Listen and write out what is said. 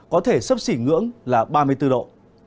có thể sấp xỉ ngưỡng là ba mươi bốn độ